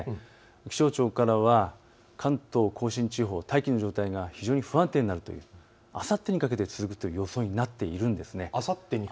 気象庁からは関東甲信地方大気の状態が非常に不安定になる、あさってにかけて続くという予想になっているんです。